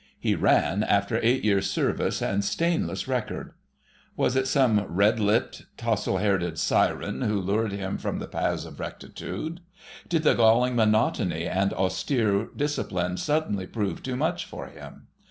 He "ran," after eight years' service and stainless record. Was it some red lipped, tousle haired siren who lured him from the paths of rectitude? Did the galling monotony and austere discipline suddenly prove too much for him?